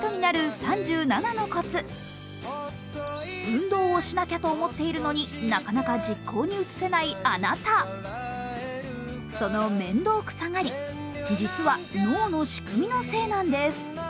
運動をしなきゃと思っているのに、なかなか実行に移せないあなたその面倒くさがり実は脳の仕組みのせいなんです。